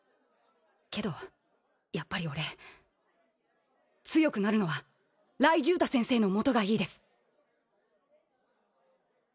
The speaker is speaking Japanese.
けどやっぱり俺強くなるのは雷十太先生の下がいいです。